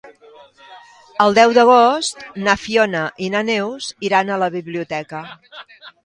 El deu d'agost na Fiona i na Neus iran a la biblioteca.